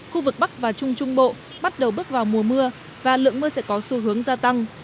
khu vực bắc và trung trung bộ bắt đầu bước vào mùa mưa và lượng mưa sẽ có xu hướng gia tăng